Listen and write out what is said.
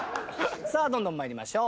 さあどんどん参りましょう。